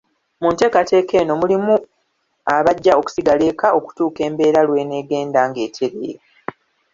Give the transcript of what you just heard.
Mu nteekateka eno mulimu abajja okusigala eka okutuuka embeera lwe neegenda ng'etereera.